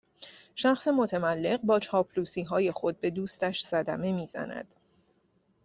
شخص متملق با چاپلوسیهای خود به دوستش صدمه میزند